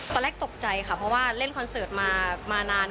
ตอนแรกตกใจค่ะเพราะว่าเล่นคอนเสิร์ตมานาน